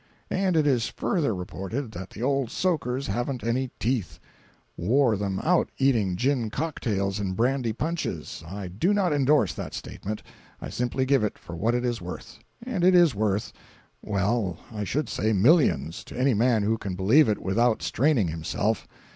And it is further reported that the old soakers haven't any teeth—wore them out eating gin cocktails and brandy punches. I do not endorse that statement—I simply give it for what it is worth—and it is worth—well, I should say, millions, to any man who can believe it without straining himself.